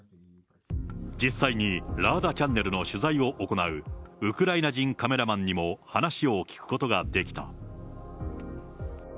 実際にラーダチャンネルの取材を行う、ウクライナ人カメラマンにも話を聞くことができた。